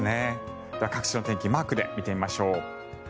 各地の天気マークで見てみましょう。